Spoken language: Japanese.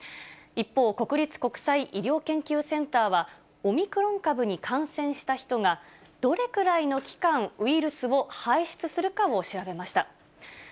一方、国立国際医療研究センターは、オミクロン株に感染した人が、どれくらいの期間、ウイルスを排出するかを調べました。